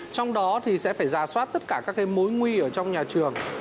trong đó thì sẽ phải ra soát tất cả các mối nguy ở trong nhà trường